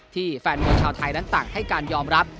แฟนมวยชาวไทยนั้นต่างให้การยอมรับ